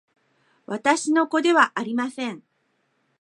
私の子ではありません